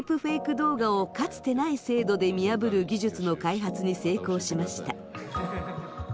動画を、かつてない精度で見破る技術の開発に成功しました。